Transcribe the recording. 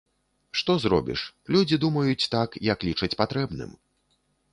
Што зробіш, людзі думаюць так, як лічаць патрэбным!